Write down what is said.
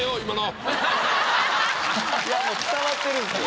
いやもう伝わってるんですよ。